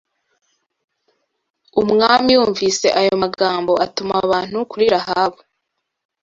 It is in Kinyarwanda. Umwami yumvise ayo magambo atuma abantu kuri Rahabu